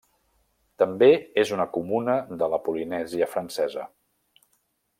També és una comuna de la Polinèsia francesa.